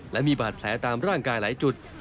และมีบาดแผลตามร่างกายหลายจุด